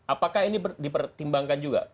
apakah ini dipertimbangkan juga